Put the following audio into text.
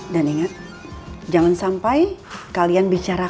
dan ingat jangan sampai kalian bicara kepadanya